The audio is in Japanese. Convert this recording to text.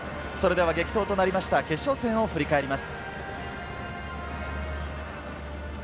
激闘となりました決勝戦を振り返ります。